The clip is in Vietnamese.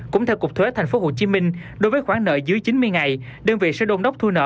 cũng theo cục thuế tp hcm đối với khoản nợ dưới chín mươi ngày đơn vị sẽ đôn đốc thu nợ